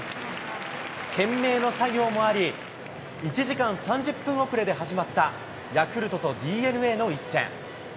懸命の作業もあり、１時間３０分遅れで始まったヤクルトとＤｅＮＡの一戦。